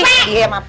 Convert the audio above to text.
udah gosip aja mapam